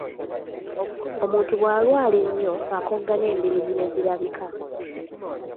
Omuntu bw'alwala ennyo akogga n'embiriizi ne zirabika.